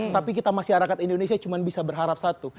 tapi kita masyarakat indonesia cuma bisa berharap satu